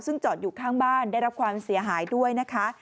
ซึ่งจอดอยู่ข้างบ้านได้รับความเสียหายด้วยนะคะ